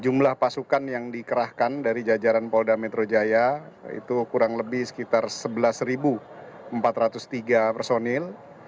jumlah pasukan yang dikerahkan dari jajaran polda metro jaya itu kurang lebih sekitar sebelas empat ratus tiga personil